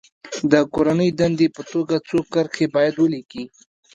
د کورنۍ دندې په توګه څو کرښې باید ولیکي.